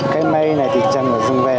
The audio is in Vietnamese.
cái mây này thì chẳng có dùng về